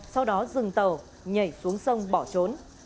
sau đó dừng tàu nhảy xuống sông bỏ trốn